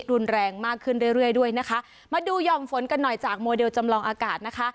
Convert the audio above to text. รุนแรงมากขึ้นเรื่อยเรื่อยด้วยนะคะมาดูห่อมฝนกันหน่อยจากโมเดลจำลองอากาศนะคะ